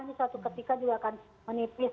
ini suatu ketika juga akan menipis